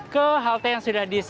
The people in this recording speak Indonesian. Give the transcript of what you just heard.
ke halte yang sudah disediakan